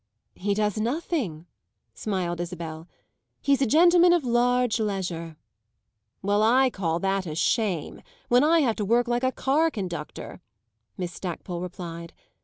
"He does nothing," smiled Isabel; "he's a gentleman of large leisure." "Well, I call that a shame when I have to work like a car conductor," Miss Stackpole replied.